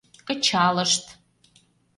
Кычалышт.